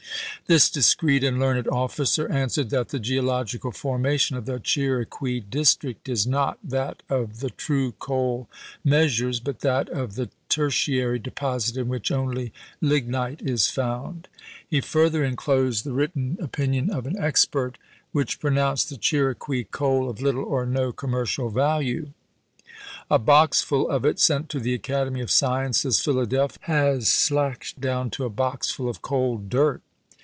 This discreet and learned officer answered '"that the geological formation of the [Chiriqui] District is not that of the true coal mea sures, but that of the tertiary deposit in which only lignite is found." He further inclosed the written COLONIZATION 359 opinion of an expert, which pronounced the Chiri qui coal of little or no commercial value. "A boxful of it, sent to the Academy of Sciences, Philadelphia, has slacked down to a boxful of coal du't.